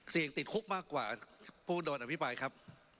ติดคุกมากกว่าผู้โดนอภิปรายครับ